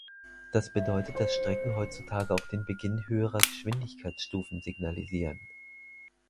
Das bedeutet, dass Strecken heutzutage auch den Beginn höherer Geschwindigkeitsstufen signalisieren.